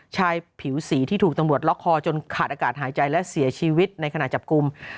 ชายผิวสีที่ถูกตำรวจล็อกคอจนขาดอากาศหายใจและเสียชีวิตในขณะจับกลุ่ม